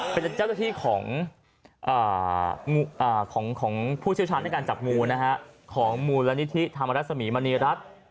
เป็นเจ้าหน้าที่ของผู้เชี่ยวชาญในการจับงูของมูลนิธิธรรมรสมีมณีรัฐ